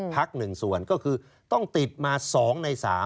๑ส่วนก็คือต้องติดมา๒ใน๓